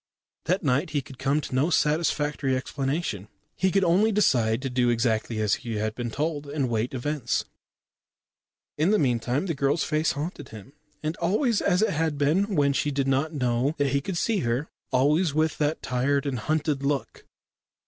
That night he could come to no satisfactory explanation. He could only decide to do exactly as he had been told, and await events. In the meantime the girl's face haunted him, and always as it had been when she did not know that he could see her always with that tired and hunted look.